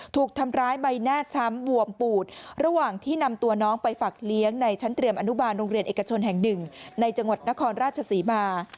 ถูกทำร้ายใบหน้าช้ำบวมปูดระหว่างที่นำตัวน้องไปฝักเลี้ยงในชั้นเตรียมอนุบาลโรงเรียนเอกชนแห่งหนึ่งในจังหวัดนครราชศรีมา